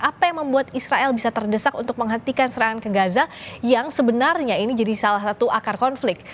apa yang membuat israel bisa terdesak untuk menghentikan serangan ke gaza yang sebenarnya ini jadi salah satu akar konflik